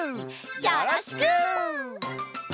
よろしく！